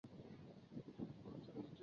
最终双方战平各得一分。